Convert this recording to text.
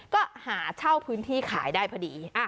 ก็หาเช่าพื้นที่ขายได้พอดี